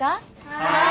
はい！